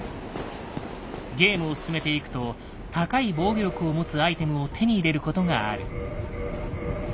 ゲームを進めていくと高い防御力を持つアイテムを手に入れることがある。